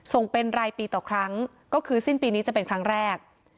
ส่งเป็นรายปีต่อครั้งก็คือสิ้นปีนี้จะเป็นครั้งแรก